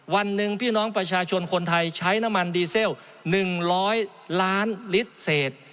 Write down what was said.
วันหนึ่งพี่น้องประชาชนคนไทยใช้น้ำมันดีเซล๑๐๐ล้านลิตรเศษ